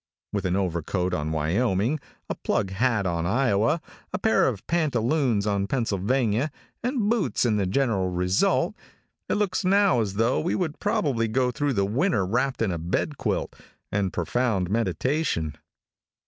With an overcoat on Wyoming, a plug hat on Iowa, a pair of pantaloons on Pennsylvania, and boots on the general result, it looks now as though we would probably go through the winter wrapped in a bed quilt, and profound meditation.